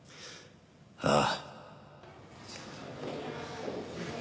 ああ。